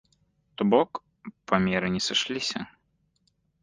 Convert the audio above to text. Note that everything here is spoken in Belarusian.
То бок, памеры не сышліся.